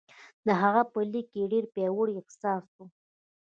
د هغه په لیک کې ډېر پیاوړی احساس و